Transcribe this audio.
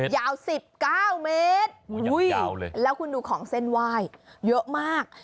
ยาว๑๙เมตรแล้วคุณดูของเส้นวายเยอะมาก